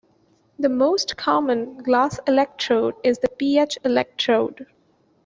The most common glass electrode is the pH-electrode.